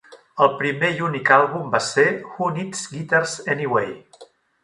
El primer i únic àlbum va ser Who Needs Guitars Anyway?